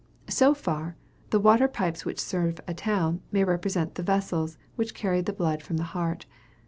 So far, the water pipes which serve a town may represent the vessels which carry the blood from the heart.